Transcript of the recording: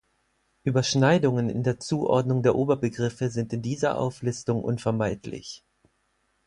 Überschneidungen in der Zuordnung der Oberbegriffe sind in dieser Auflistung unvermeidlich.